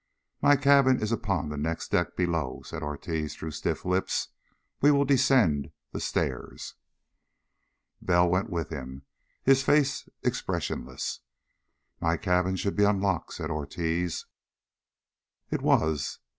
"My cabin is upon the next deck below," said Ortiz through stiff lips. "We we will descend the stairs." Bell went with him, his face expressionless. "My cabin should be unlocked," said Ortiz. It was.